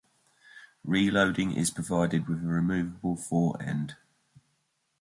Reloading is provided with a removable fore-end.